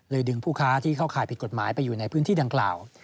ดึงผู้ค้าที่เข้าข่ายผิดกฎหมายไปอยู่ในพื้นที่ดังกล่าว